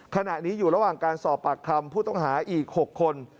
ขณะนี้อยู่ระหว่างการสอบปากคำผู้ต้องหาอีก๖คน